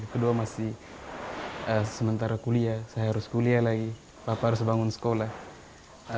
kedua masih sementara kuliah saya harus kuliah lagi bapak harus bangun sekolah